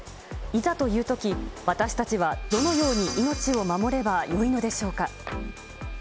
いざというとき、私たちはどのように命を守ればよいのでしょうか。